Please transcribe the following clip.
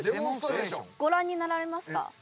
ご覧になられますか？